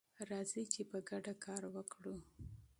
راځئ چې په ګډه کار وکړو.